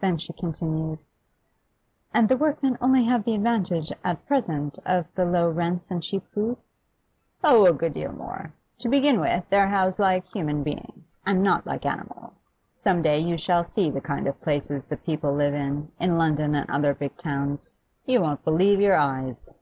Then she continued, 'And the workmen only have the advantage, at present, of the low rents and cheap food?' 'Oh, a good deal more. To begin with, they're housed like human beings, and not like animals. Some day you shall see the kind of places the people live in, in London and other big towns. You won't believe your eyes.